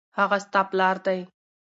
هغه ستا پلار دی